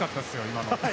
今の。